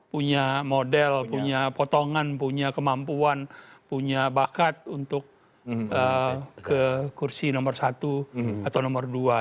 punya model punya potongan punya kemampuan punya bakat untuk ke kursi nomor satu atau nomor dua